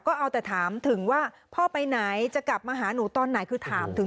ก็เอาแต่ถามถึงว่าพ่อไปไหนจะกลับมาหาหนูตอนไหนคือถามถึง